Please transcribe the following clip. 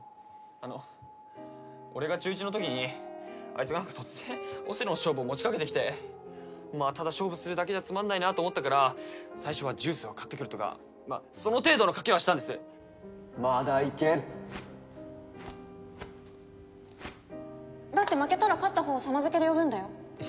あの俺が中１のときにあいつがなんか突然オセロの勝負を持ちかけてきてまあただ勝負するだけじゃつまんないなと思ったから最初はジュースを買ってくるとかその程度の賭けはしたんですまだいけるだって負けたら勝ったほうを「「さま」で呼ぶの？